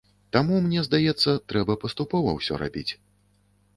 Таму, мне здаецца, трэба паступова ўсё рабіць.